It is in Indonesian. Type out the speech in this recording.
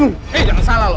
hei jangan salah lo